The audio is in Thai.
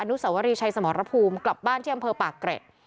นุสวรีชัยสมรภูมิกลับบ้านที่อำเภอปากเกร็ด